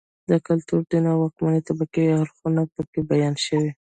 د کلتور، دین او واکمنې طبقې اړخونه په کې بیان شوي